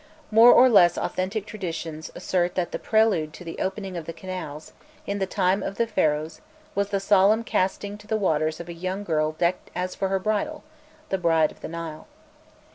More or less authentic traditions assert that the prelude to the opening of the canals, in the time of the Pharaohs, was the solemn casting to the waters of a young girl decked as for her bridal the "Bride of the Nile."